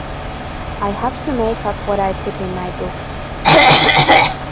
I have to make up what I put in my books.